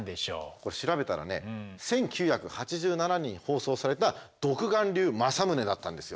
これ調べたらね１９８７年に放送された「独眼竜政宗」だったんですよ。